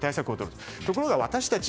ところが私たち